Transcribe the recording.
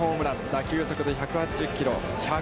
打球速度１８０キロ。